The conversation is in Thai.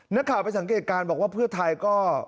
นักข่าวไปสังเกตการณ์บอกว่าเพื่อไทยก็